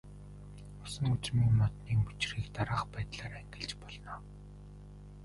Усан үзмийн модны мөчрийг дараах байдлаар ангилж болно.